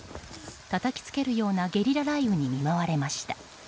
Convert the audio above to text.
叩きつけるようなゲリラ雷雨に見舞われました。